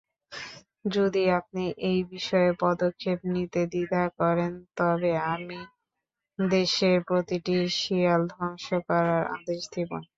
যদি আপনি এই বিষয়ে পদক্ষেপ নিতে দ্বিধা করেন তবে আমি দেশের প্রতিটি শিয়াল ধ্বংস করার আদেশ দেব।